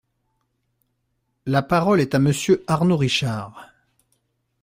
La parole est à Monsieur Arnaud Richard.